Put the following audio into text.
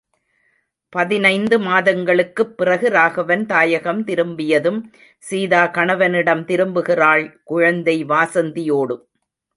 பதினைந்து மாதங்களுக்குப் பிறகு ராகவன் தாயகம் திரும்பியதும், சீதா கணவனிடம் திரும்புகிறாள், குழந்தை வாஸந்தியோடு.